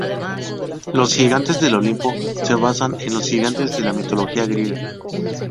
Los Gigantes del Olimpo se basan en los Gigantes de la mitología griega.